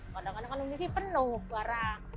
kadang kadang kan ini sih penuh barang